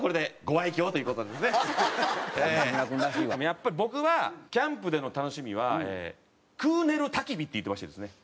やっぱり僕はキャンプでの楽しみは食う・寝る・焚き火って言ってましてですね。